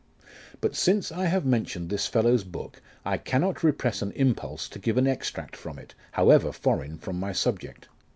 But since I have mentioned this fellow's book I cannot repress an impulse to give an extract from it ; however foreign from my subject.